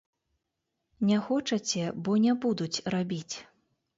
Не хочаце, бо не будуць рабіць.